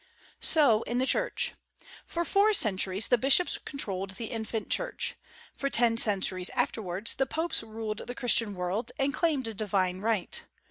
So in the Church. For four centuries the bishops controlled the infant Church. For ten centuries afterwards the Popes ruled the Christian world, and claimed a divine right.